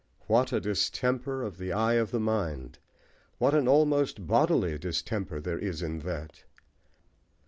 What a distemper of the eye of the mind! What an almost bodily distemper there is in that!